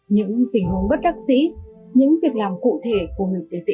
những tình huống bất đắc dĩ những việc làm cụ thể của người chiến sĩ